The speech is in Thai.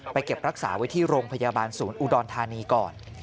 เก็บรักษาไว้ที่โรงพยาบาลศูนย์อุดรธานีก่อน